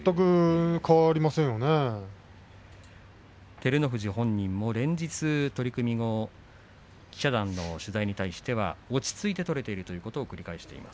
照ノ富士本人も連日、記者団の取材に対して落ち着いて取れているということを繰り返しています。